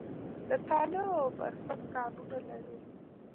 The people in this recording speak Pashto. د تاله او برفک کانونه لري